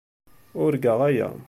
Urgaɣ aya.